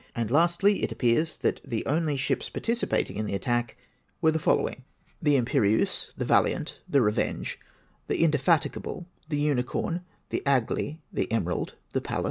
And, lastly, it appears that the only ships participating in the attack were the followinij : EXTRACTS FEOM LOGS. 419 The hnjperleuse, The Valiant, The Revenge, The Indefatigable, The Unicorn, The Aigle, The Emerald, The Pa/^rt.